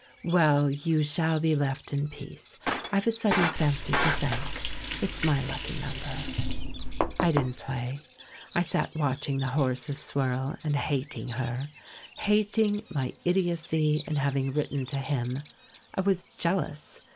"Well, you shall be left in peace. I've a sudden fancy for Cinq. It's my lucky number." I didn't play. I sat watching the horses swirl, and hating her — hating my idiocy in having writ ten to him. I was jealous.